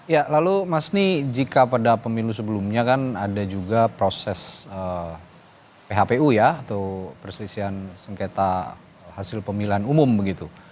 ya lalu mas ni jika pada pemilu sebelumnya kan ada juga proses phpu ya atau perselisihan sengketa hasil pemilihan umum begitu